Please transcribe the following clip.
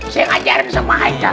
saya ajarin sama aikal